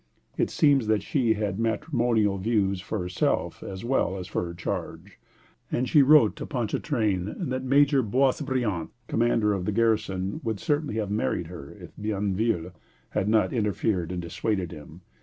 It seems that she had matrimonial views for herself as well as for her charge; and she wrote to Ponchartrain that Major Boisbriant, commander of the garrison, would certainly have married her if Bienville had not interfered and dissuaded him.